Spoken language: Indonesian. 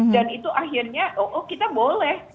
karena itu akhirnya kita boleh